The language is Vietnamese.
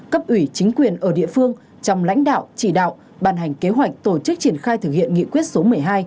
cấp ủy chính quyền ở địa phương trong lãnh đạo chỉ đạo bàn hành kế hoạch tổ chức triển khai thực hiện nghị quyết số một mươi hai